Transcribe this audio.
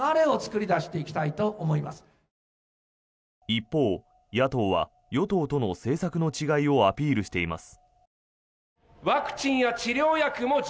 一方、野党は与党との政策の違いをアピールしています。